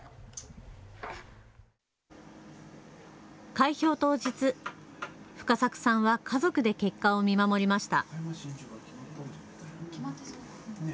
開票当日、深作さんは家族で結果を見守りました。